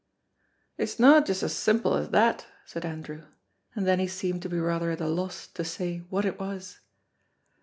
"It's no just so simple as that," said Andrew, and then he seemed to be rather at a loss to say what it was.